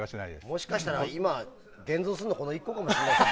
もしかしたら今、現存するのこの１個かもしれないです。